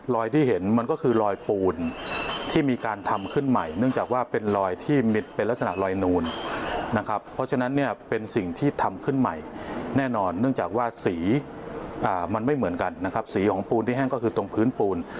ที่เห็นมันก็คือลอยปูนที่มีการทำขึ้นใหม่เนื่องจากว่าเป็นรอยที่มีเป็นลักษณะลอยนูนนะครับเพราะฉะนั้นเนี่ยเป็นสิ่งที่ทำขึ้นใหม่แน่นอนเนื่องจากว่าสีมันไม่เหมือนกันนะครับสีของปูนที่แห้งก็คือตรงพื้นปูน